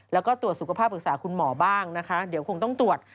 แล้วก็ตรวจสุขภาพปรึกษาคุณหมอบ้างนะคะเดี๋ยวคงต้องตรวจ